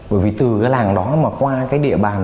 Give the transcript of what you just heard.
bởi vì từ cái làng đó mà qua cái địa bàn